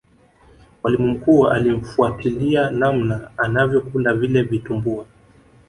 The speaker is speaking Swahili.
mwalimu mkuu alimfuatilia namna anavyokula vile vitumbua